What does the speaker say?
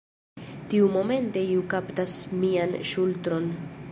Tiumomente iu kaptas mian ŝultron.